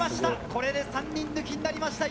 これで３人抜きになりました。